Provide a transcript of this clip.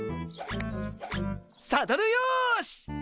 サドルよし。